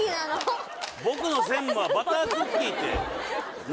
「僕の専務はバタークッキー」って。